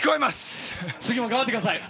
次も頑張ってください。